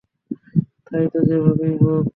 চাই তা যেভাবেই হোক।